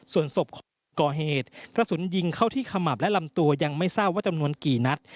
ส่วนศพก่อเหตุกระสุนยิงเข้าที่ขมับและลำตัวยังไม่ทราบว่าจำนวนกี่นัด